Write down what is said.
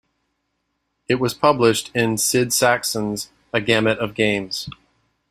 It was published in Sid Sackson's A Gamut of Games.